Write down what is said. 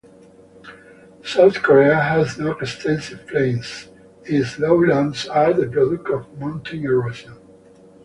South Korea has no extensive plains; its lowlands are the product of mountain erosion.